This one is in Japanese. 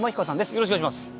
よろしくお願いします。